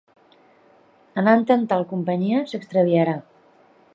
Anant amb tal companyia s'extraviarà.